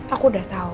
aku udah tau